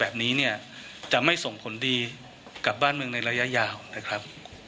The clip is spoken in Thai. แบบนี้เนี่ยจะไม่ส่งผลดีกับบ้านเมืองในระยะยาวนะครับ